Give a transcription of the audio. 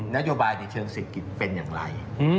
นโยบายในเกี่ยวกับศิลป์กิจนำเป็นอย่างไร